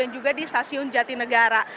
juga di stasiun jatinegara